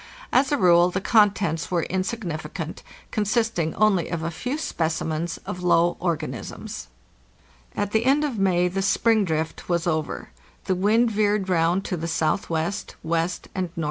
As a rule the contents were insignificant, consisting only of a few specimens of low organisms. At the end of May the "spring drift" was over. The wind veered round to the S.W., W., and N.W.